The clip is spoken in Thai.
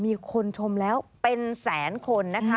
มีคนชมแล้วเป็นแสนคนนะคะ